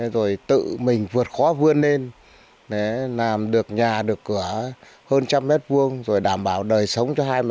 rồi tự mình vượt khó vươn lên làm được nhà được cửa hơn trăm mét vuông rồi đảm bảo đời sống cho hai người